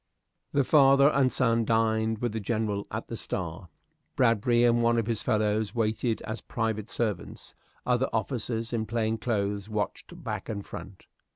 The father and son dined with the General at the "Star." Bradbury and one of his fellows waited as private servants; other officers, in plain clothes, watched back and front.